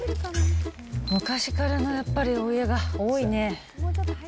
昔からのやっぱりお家が多いね。